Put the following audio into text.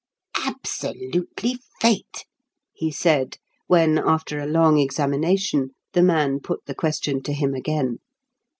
"Absolutely Fate," he said, when, after a long examination, the man put the question to him again.